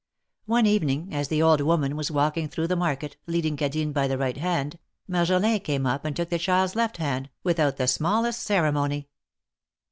One evening, as the old woman was walking through the market, leading Cadine by the right hand, Marjolin came up and took the child's left hand, without the smallest ceremony.